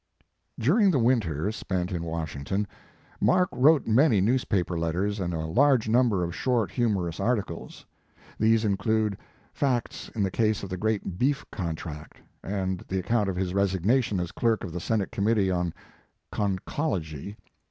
During the winter spent in Washing ton Mark wrote many newspaper letters and a large number of short, humorous articles. These include "Facts in the Case of the Great Beef Contract, " and the account of his resignation as clerk of the senate committee on conchology.